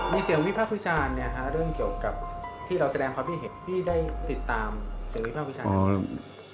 มีเสียงวิพากษ์วิชาเรื่องเกี่ยวกับที่เราแสดงความพิเศษพี่ได้ติดตามเสียงวิพากษ์วิชาอย่างไร